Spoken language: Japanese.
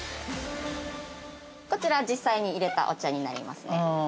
◆こちら実際に入れたお茶になりますね。